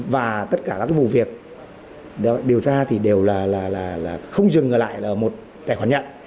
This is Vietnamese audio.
và tất cả các vụ việc điều tra thì đều là không dừng ở lại là ở một tài khoản nhận